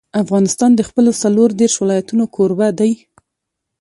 افغانستان د خپلو څلور دېرش ولایتونو کوربه دی.